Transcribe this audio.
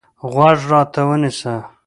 غوږ راته ونیسه.